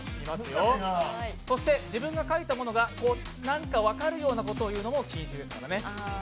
自分が書いたものが何か分かるようなことを言うのも禁止ですからね。